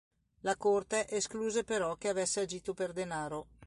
La corte escluse però che avesse agito per denaro.